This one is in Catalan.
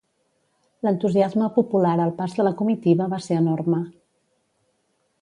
L'entusiasme popular al pas de la comitiva va ser enorme.